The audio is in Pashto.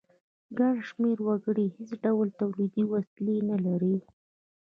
ګڼ شمیر وګړي هیڅ ډول تولیدي وسیلې نه لري.